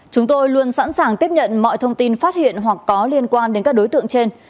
chúng tôi luôn sẵn sàng tiếp nhận mọi thông tin phát hiện hoặc có liên quan đến các đối tượng trên